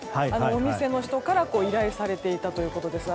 お店の人から依頼されていたということです。